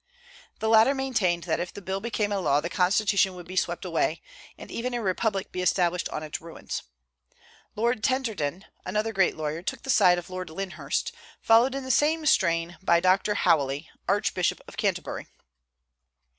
The latter maintained that if the bill became a law the Constitution would be swept away, and even a republic be established on its ruins. Lord Tenterden, another great lawyer, took the side of Lord Lyndhurst, followed in the same strain by Dr. Howley, Archbishop of Canterbury.